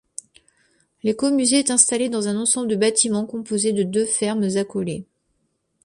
L’Écomusée est installé dans un ensemble de bâtiments composé de deux fermes accolées.